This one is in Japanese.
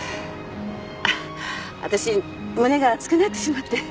私胸が熱くなってしまって。